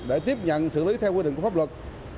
để tiếp nhận xử lý theo quy định của pháp luật